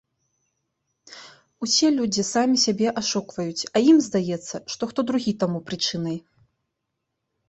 Усе людзі самі сябе ашукваюць, а ім здаецца, што хто другі таму прычынай.